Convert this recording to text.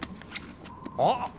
あっ！